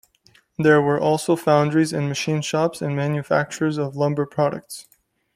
There were also foundries and machine shops and manufacturers of lumber products.